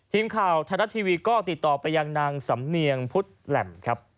ทีมข่าวไทยรัฐทีวีก็ติดต่อไปยังนางสำเนียงพุทธแหล่มครับ